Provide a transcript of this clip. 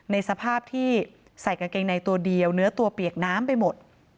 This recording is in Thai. ในสภาพที่ใส่กางเกงในตัวเดียวเนื้อตัวเปียกน้ำไปหมด